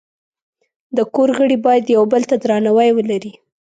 د کور غړي باید یو بل ته درناوی ولري.